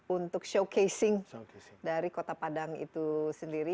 untuk showcasing dari kota padang itu sendiri